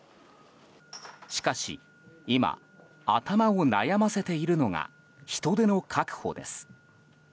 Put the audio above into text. しかし今、頭を悩ませているのが人手の確保です。